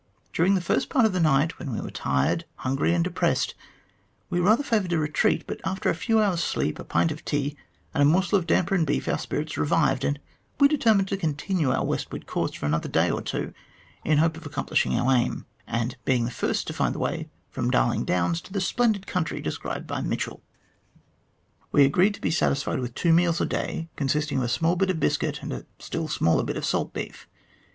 During the first part of the night, when we were tired, hungry, and depressed, we rather favoured a retreat, but after a few hours' sleep, a pint of tea, and a morsel of damper and beef, our spirits revived, and we determined to continue our westward course for another day or two, in the hope of accomplishing our aim, and being the first to find the way from Darling Downs to the splendid country described by Mitchell. "We agreed to be satisfied with two meals a day, consisting of a small bit of biscuit and a still smaller bit of salt beef.